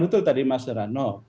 betul tadi mas rano